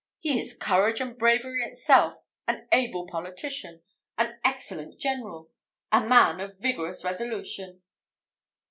He is courage and bravery itself an able politician an excellent general a man of vigorous resolution."